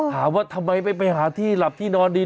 ถามว่าทำไมไม่ไปหาที่หลับที่นอนดี